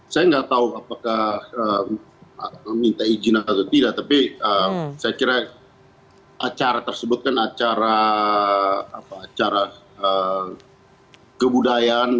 saya nggak tahu apakah meminta izin atau tidak tapi saya kira acara tersebut kan acara kebudayaan